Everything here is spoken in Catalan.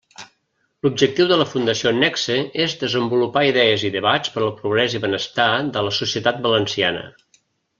L'objectiu de la Fundació Nexe és desenvolupar idees i debats per al progrés i benestar de la societat valenciana.